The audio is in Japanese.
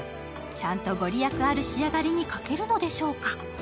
ちゃんと御利益ある仕上がりにかけるのでしょうか？